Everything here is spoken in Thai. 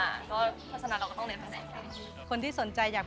เพราะฉะนั้นเราต้องเน้นแผนไปได้